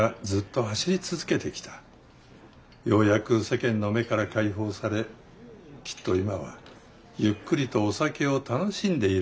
ようやく世間の目から解放されきっと今はゆっくりとお酒を楽しんでいらっしゃるはず。